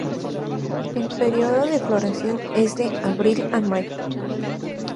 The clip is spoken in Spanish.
El período de floración es de abril a mayo.